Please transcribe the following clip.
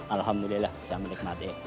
alhamdulillah bisa menikmati